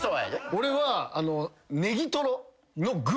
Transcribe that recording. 俺は。